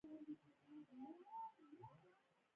د خپل مرکز سره رابطه وشلېده.